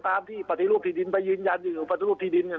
ตามที่ปฏิรูปที่ดินไปยืนยันอยู่ปฏิรูปที่ดิน